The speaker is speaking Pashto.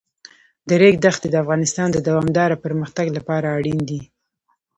د ریګ دښتې د افغانستان د دوامداره پرمختګ لپاره اړین دي.